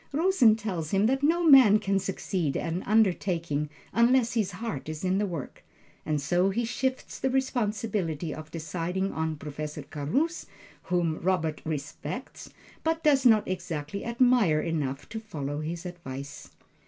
Rosen tells him that no man can succeed at an undertaking unless his heart is in the work, and so he shifts the responsibility of deciding on Professor Carus, whom Robert "respects," but does not exactly admire enough to follow his advice.